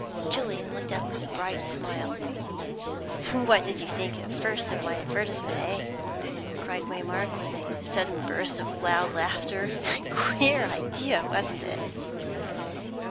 Julian looked up with a bright smile. "What did you think at first of my advertisement, eh?" cried Waymark, with a sudden burst of loud laughter. "Queer idea, wasn't it?"